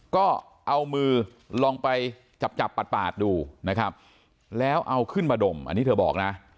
ก็เอามือลองไปจับจับปาดดูนะครับแล้วเอาขึ้นมาดมอันนี้เธอบอกนะ